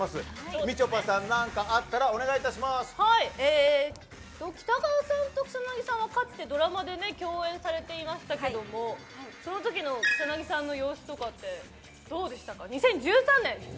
みちょぱさん北川さんと草なぎさんはかつてドラマで共演されていましたけどもそのときの草なぎさんの様子とかってどうでしたか。